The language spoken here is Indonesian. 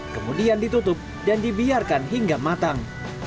kemudian ditutup dan dibiarkan hingga matang